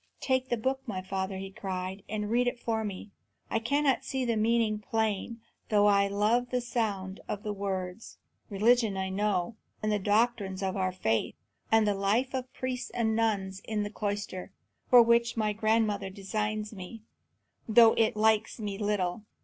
"Take the book, my father," he cried, "and read it for me. I cannot see the meaning plain, though I love the sound of the words. Religion I know, and the doctrines of our faith, and the life of priests and nuns in the cloister, for which my grandmother designs me, though it likes me little.